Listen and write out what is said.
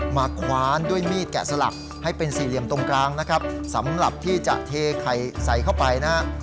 คว้านด้วยมีดแกะสลักให้เป็นสี่เหลี่ยมตรงกลางนะครับสำหรับที่จะเทไข่ใส่เข้าไปนะฮะ